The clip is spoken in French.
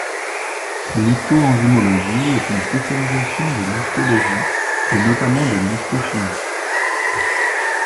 L’histoenzymologie est une spécialisation de l’histologie et notamment de l’histochimie.